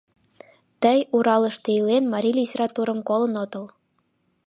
Тый, Уралыште илен, марий литературым колын отыл.